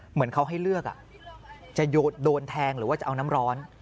เหมือนเขาให้เลือกจะโดนแทงหรือว่าจะเอาน้ำร้อน